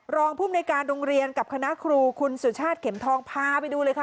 รองภูมิในการโรงเรียนกับคณะครูคุณสุชาติเข็มทองพาไปดูเลยค่ะ